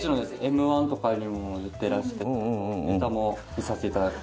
Ｍ−１とかにも出てらしてネタも見させて頂いて。